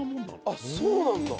あっそうなんだ。